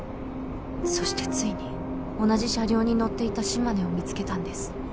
そしてついに同じ車両に乗っていた島根を見つけたんです